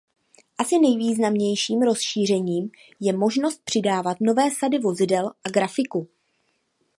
Asi nejvýznamnějším rozšířením je možnost přidávat nové sady vozidel a grafiku.